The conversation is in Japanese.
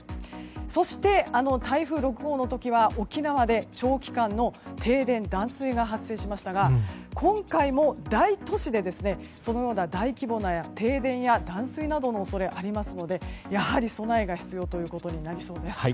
そして、台風６号の時は沖縄で長期間の停電、断水が発生しましたが今回も大都市でそのような大規模な停電や断水などの恐れがありますのでやはり備えが必要ということになりそうです。